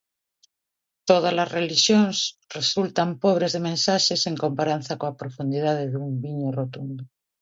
Tódalas relixións resultan pobres de mensaxes en comparanza coa profundidade dun viño rotundo.